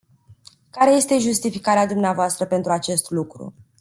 Care este justificarea dvs. pentru acest lucru?